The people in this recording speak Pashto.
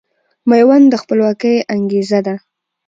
ميوند د خپلواکۍ انګېزه ده